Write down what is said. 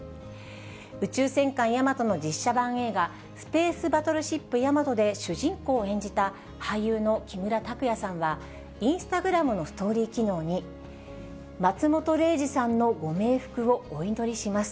宇宙戦艦ヤマトの実写版映画、スペースバトルシップヤマトで主人公を演じた、俳優の木村拓哉さんは、インスタグラムのストーリー機能に、松本零士さんのごめい福をお祈りします。